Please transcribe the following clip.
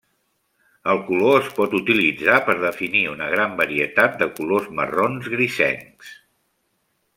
El color es pot utilitzar per definir una gran varietat de colors marrons grisencs.